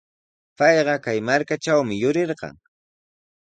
Payqa kay markatrawmi yurirqan.